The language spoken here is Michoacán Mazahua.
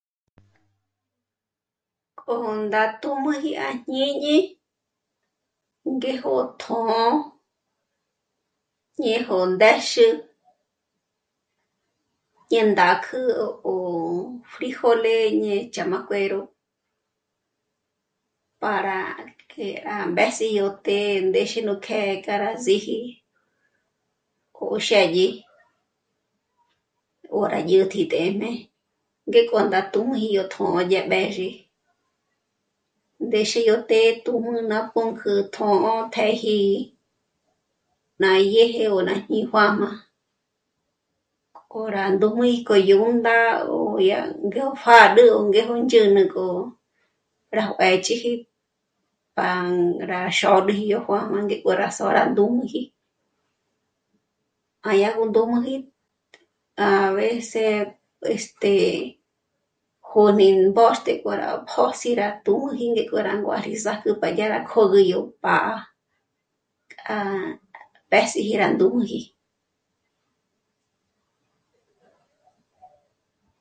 K'o ndá tújmüji á jñíñi ngéjo tjṓ'ō, ñéjo ndéxü, ñā̂ndā kjǘ'ü 'o'o frijole ñe ch'ám'acuero para que rá mbés'i yó të́'ë ndéxe nú kjë́'ë k'a rá síji jó xë́dyi. O rá dyä̀tji të́'ëjmé ngék'o ndá tújmüji yó tjṓ'ō dyé b'ézhi, ndéxe yó të́'ë tùjmü ná pǔnk'ü tjō̌'ō të́'ëji ná dyèje o rá jñí'i juā́jmā. K'o rá ndújmü k'o yó ndá 'ó dyá ngé ó pjâd'ü, ó ngéjo ndzhǚnü k'o rá juë̌ch'iji, pa rá xôd'üji yó juā́jmā ngék'o rá só'o rá ndújmüji, má yá gó ndújmüji a veces, este jôd'ü mbóxt'e k'o rá pjö́s'i rá tújmüji ngék'o rá nguârü sájk'ü pa dyà rá kjö̌gü yó pá'a, k'a mbés'i jé rá ndújmüji